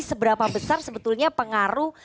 seberapa besar sebetulnya pengaruh